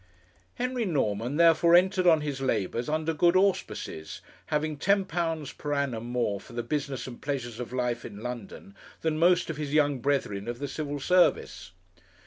Henry Norman, therefore, entered on his labours under good auspices, having £10 per annum more for the business and pleasures of life in London than most of his young brethren of the Civil Service.